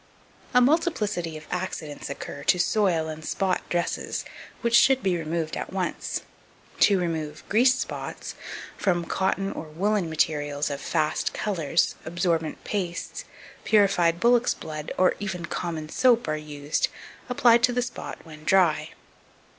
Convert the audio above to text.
2267. A multiplicity of accidents occur to soil and spot dresses, which should be removed at once. To remove 2268. Grease spots from cotton or woollen materials of fast colours, absorbent pastes, purified bullock's blood, and even common soap, are used, applied to the spot when dry.